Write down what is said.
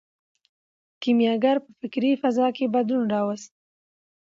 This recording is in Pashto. کیمیاګر په فکري فضا کې بدلون راوست.